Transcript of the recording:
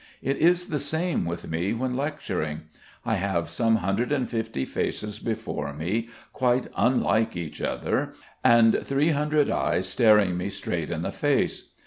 It is the same with me when lecturing. I have some hundred and fifty faces before me, quite unlike each other, and three hundred eyes staring me straight in the face.